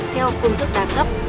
theo phương thức đa cấp